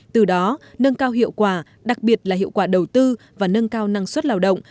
từ đó nâng cao hiệu quả đặc biệt là hiệu quả đầu tư và nâng cao năng suất lao động